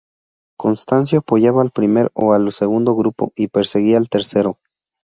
Constancio apoyaba al primer o al segundo grupo y perseguía al tercero.